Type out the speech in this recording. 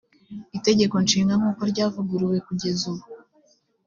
itegeko nshinga nk’uko ryavuguruwe kugeza ubu